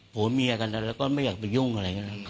ผัวเมียกันแล้วก็ไม่อยากไปยุ่งอะไรอย่างนี้นะครับ